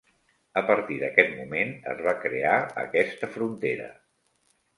A partir d'aquest moment es va crear aquesta frontera.